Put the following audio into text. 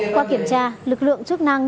qua kiểm tra lực lượng chức năng